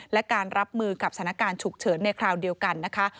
และการรับมือกับสถานการณ์ฉุกเฉินในคราวเดียวกันนะคะ